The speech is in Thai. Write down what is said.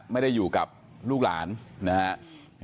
ไม่ได้อยู่กับลูกหลานนะครับ